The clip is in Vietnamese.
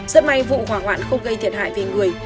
rất may vụ hỏa hoạn không gây thiệt hại về người